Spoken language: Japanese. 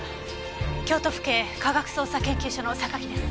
京都府警科学捜査研究所の榊です。